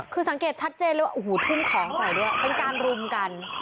คือสังเกตชัดเจนเลยว่าโอ้โหทุ่มของใส่ด้วยเป็นการรุมกัน